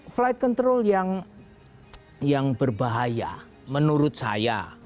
flight control yang berbahaya menurut saya